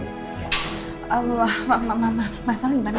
udah alhamdulillah gak ada yang ikut lagi